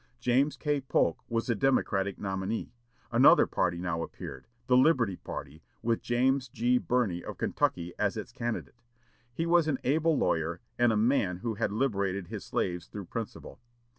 James K. Polk was the Democratic nominee. Another party now appeared, the "Liberty Party," with James G. Birney of Kentucky as its candidate. He was an able lawyer, and a man who had liberated his slaves through principle.